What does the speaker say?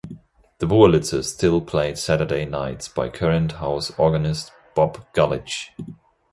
The Wurlitzer is still played Saturday nights by current house organist Bob Gulledge.